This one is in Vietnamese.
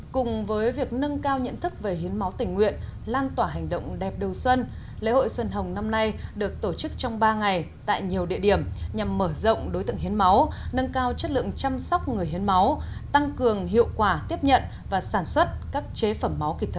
cùng với việc nâng cao nhận thức về hiến máu tình nguyện lan tỏa hành động đẹp đầu xuân lễ hội xuân hồng năm nay được tổ chức trong ba ngày tại nhiều địa điểm nhằm mở rộng đối tượng hiến máu nâng cao chất lượng chăm sóc người hiến máu tăng cường hiệu quả tiếp nhận và sản xuất các chế phẩm máu kịp thời